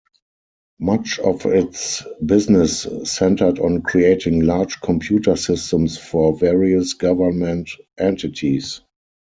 Much of its business centered on creating large computer systems for various government entities.